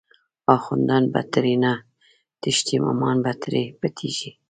آخوندان به ترینه تښتی، امامان به تری پټیږی